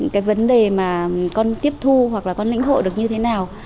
cái vấn đề mà con tiếp thu hoặc là con lĩnh hộ được như thế nào